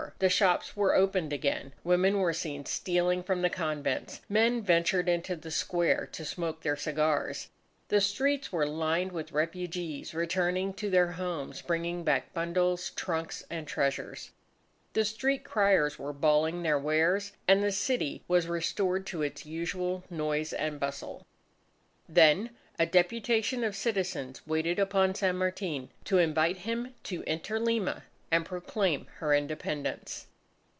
The shops were opened again. Women were seen stealing from the convents. Men ventured into the square to smoke their cigars. The streets were lined with refugees returning to their homes, bringing back bundles, trunks, and treasures. The street criers were bawling their wares; and the city was restored to its usual noise and bustle. Then a deputation of citizens waited upon San Martin to invite him to enter Lima and proclaim her Independence.